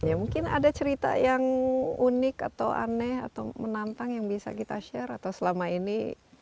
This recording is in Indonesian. ya mungkin ada cerita yang unik atau aneh atau menantang yang bisa kita share atau selama ini